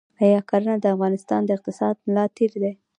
آیا کرنه د افغانستان د اقتصاد ملا تیر دی؟